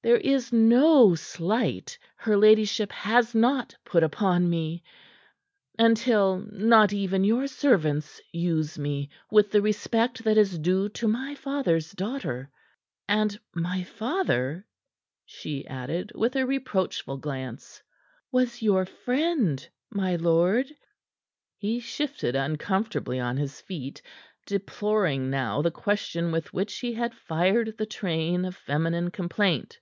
"There is no slight her ladyship has not put upon me, until not even your servants use me with the respect that is due to my father's daughter. And my father," she added, with a reproachful glance, "was your friend, my lord." He shifted uncomfortably on his feet, deploring now the question with which he had fired the train of feminine complaint.